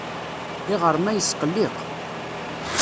Iɣrem-a yesqelliq.